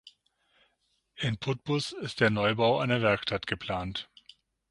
In Putbus ist der Neubau einer Werkstatt geplant.